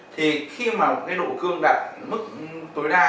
thì khi mà độ cương đạt mức tối đa